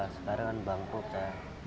sekarang kan bangkut ya